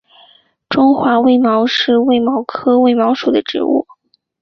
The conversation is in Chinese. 中华卫矛是卫矛科卫矛属的植物。